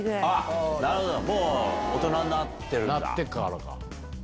もう大人になってるんだ。